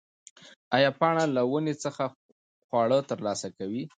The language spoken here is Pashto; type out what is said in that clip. ایا پاڼه له ونې څخه خواړه ترلاسه کوي؟